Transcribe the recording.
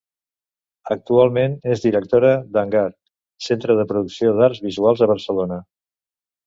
Actualment és directora d'Hangar, centre de producció d’arts visuals a Barcelona.